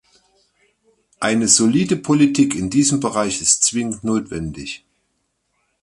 Eine solide Politik in diesem Bereich ist zwingend notwendig.